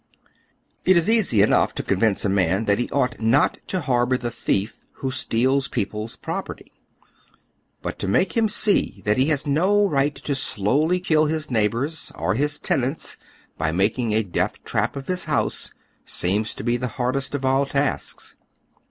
It is easy enough to convince a man that he ought not to harbor the thief who steals people's pi operty ; but to make him see that he has no right to slowly kill his neighbors, or his tenants, by making a death ti'ap of his house, seems to be the hardest of all tasks.